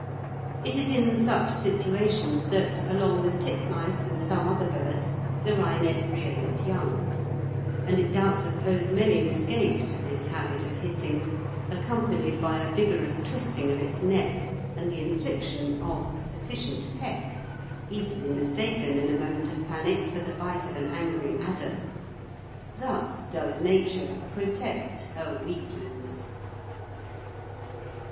It is in such situations that, along with titmice and some other birds, the wryneck rears its young; and it doubtless owes many an escape to this habit of hissing, accompanied by a vigorous twisting of its neck and the infliction of a sufficient peck, easily mistaken in a moment of panic for the bite of an angry adder. Thus does Nature protect her weaklings.